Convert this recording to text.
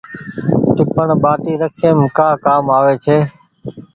ٽيپڻ ٻآٽي رکيم ڪآ ڪآم آوي ڇي۔